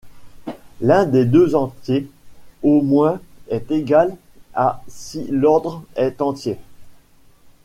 L'un des deux entiers au moins est égal à si l'ordre est entier.